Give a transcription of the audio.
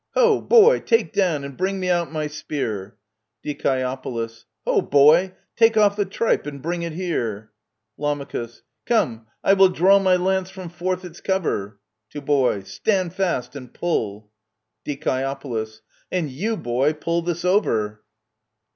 Ho ! boy, take down, and bring me out, my spear ! Die. Ho ! boy, take off the tripe and bring it here ! Lam. Come, I will draw my lance from forth its cover, (To Boy) Stand fast, and pulL Die. And you, boy, pull this over